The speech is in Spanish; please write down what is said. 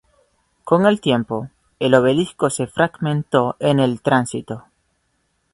Con el tiempo, el obelisco se fragmentó en el tránsito.